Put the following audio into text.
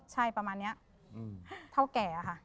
ใช่ประมาณนี้เท่าแก่ค่ะ